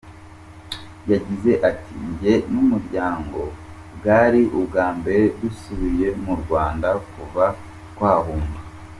Yagize ati “Njye n’umuryango bwari ubwa mbere dusubiye mu Rwanda kuva twahunga.